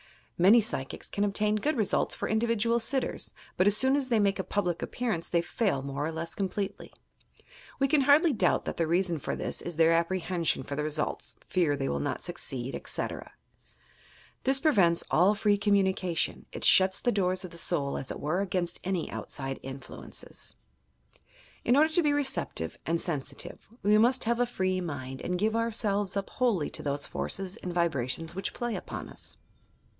Many psychics can obtain good results for individual sitters, but as soon as they make a public appearance they fail more or less completely. We can hardly doubt that the reason for this is their apprehension for the results, fear that they will not succeed, etc. This pre vents all free communication : it shuts the doors of the soul, as it were, against any outside influences. In order to be receptive and sensitive, we must have a free uiind, and give ourselves up wholly to those forces and vibra tions which play upon us.